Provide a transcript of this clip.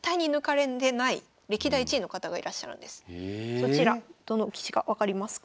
そちらどの棋士か分かりますか？